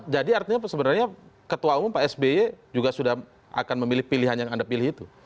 jadi artinya sebenarnya ketua umum pak sby juga sudah akan memilih pilihan yang anda pilih itu